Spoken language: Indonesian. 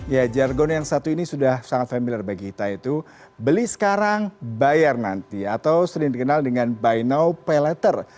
ya jargon yang satu ini sudah sangat familiar bagi kita itu beli sekarang bayar nanti atau sering dikenal dengan buy now pay letter